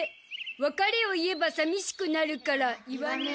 「わかれをいえばさみしくなるからいわねえよ」